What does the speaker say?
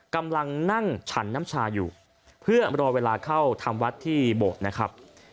กำลังนั่งฉันน้ำชาอยู่เพื่อรอเวลาเข้าทำวัดที่โบสถ์นะครับ